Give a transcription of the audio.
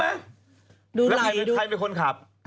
แล้วใครเป็นคนขับ